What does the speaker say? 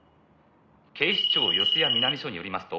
「警視庁四谷南署によりますと」